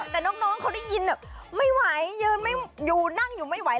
แต่น้องเขาได้ยินไม่ไหวยืนไม่อยู่นั่งอยู่ไม่ไหว